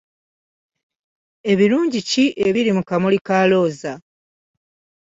Ebirungi ki ebiri mu Kamuli ka Looza?